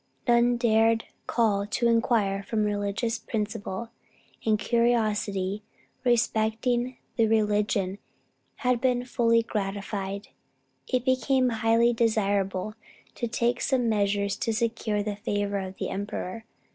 None dared call to inquire from religious principle, and curiosity respecting the religion had been fully gratified. It became highly desirable to take some measures to secure the favor of the emperor.